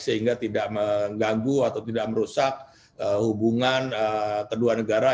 sehingga tidak mengganggu atau tidak merusak hubungan kedua negara